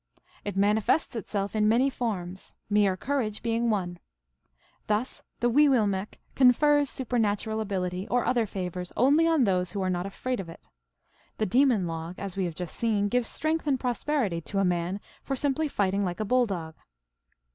It mani fests itself in many forms, mere courage being one. Thus the Weeiuillmekq confers supernatural ability or other favors only on those who are not afraid of it. The demon Log, as we have just seen, gives strength and prosperity to a man for simply fighting like a bull dog.